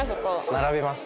並びます。